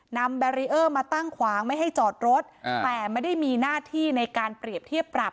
แบรีเออร์มาตั้งขวางไม่ให้จอดรถแต่ไม่ได้มีหน้าที่ในการเปรียบเทียบปรับ